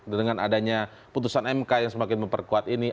dengan adanya putusan mk yang semakin memperkuat ini